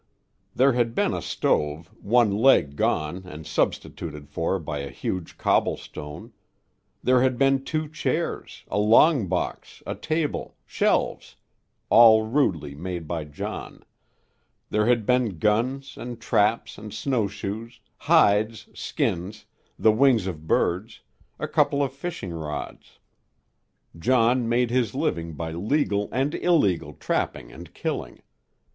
There had been a stove, one leg gone and substituted for by a huge cobblestone; there had been two chairs, a long box, a table, shelves all rudely made by John; there had been guns and traps and snowshoes, hides, skins, the wings of birds, a couple of fishing rods John made his living by legal and illegal trapping and killing.